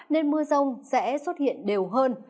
nên mưa rông sẽ xuất hiện đều hơn